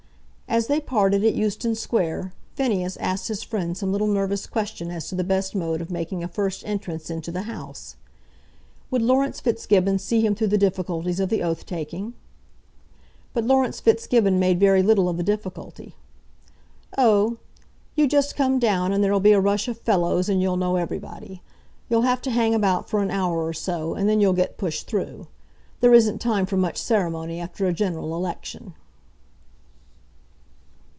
As they parted at Euston Square, Phineas asked his friend some little nervous question as to the best mode of making a first entrance into the House. Would Laurence Fitzgibbon see him through the difficulties of the oath taking? But Laurence Fitzgibbon made very little of the difficulty. "Oh; you just come down, and there'll be a rush of fellows, and you'll know everybody. You'll have to hang about for an hour or so, and then you'll get pushed through. There isn't time for much ceremony after a general election."